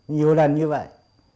nhiều lần như vậy